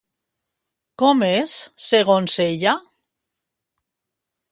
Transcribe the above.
Com és, segons ella?